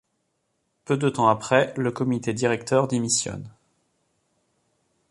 Peu de temps après le comité directeur démissionne.